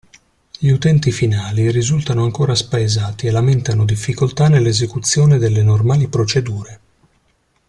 Gli utenti finali risultano ancora spaesati e lamentano difficoltà nell'esecuzione delle normali procedure.